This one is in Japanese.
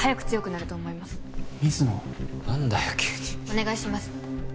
お願いします！